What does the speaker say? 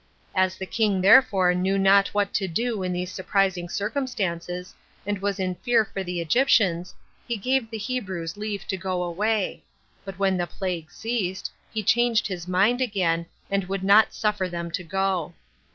As the king therefore knew not what to do in these surprising circumstances, and was in fear for the Egyptians, he gave the Hebrews leave to go away; but when the plague ceased, he changed his mind again, end would not suffer them to go.